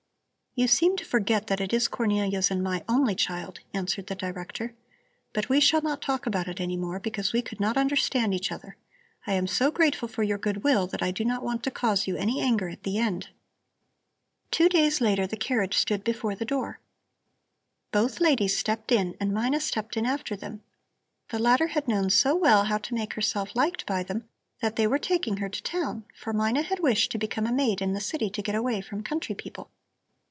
"You seem to forget that it is my Cornelia's and my only child," answered the Director. "But we shall not talk about it any more, because we could not understand each other. I am so grateful for your goodwill that I do not want to cause you any anger at the end." Two days later the carriage stood before the door. Both ladies stepped in and Mina stepped in after them. The latter had known so well how to make herself liked by them that they were taking her to town, for Mina had wished to become a maid in the city to get away from country people.